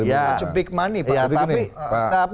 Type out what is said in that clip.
itu big money pak